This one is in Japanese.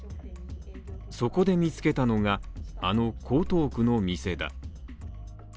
そこで見つけたのが、あの江東区の店だ。